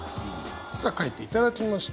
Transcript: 書いていただきました。